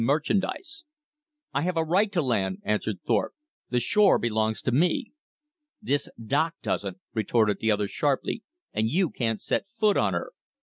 merchandise." "I have a right to land," answered Thorpe. "The shore belongs to me." "This dock doesn't," retorted the other sharply, "and you can't set foot on her."